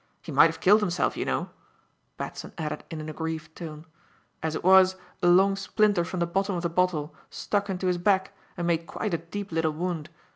He might have killed himself, you know," Batson added in an aggrieved tone; "as it was, a long splinter from the bottom of the bottle stuck into his back and made quite a deep little wound.